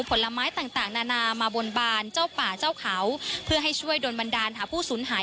ผลไม้ต่างต่างนานามาบนบานเจ้าป่าเจ้าเขาเพื่อให้ช่วยโดนบันดาลหาผู้สูญหาย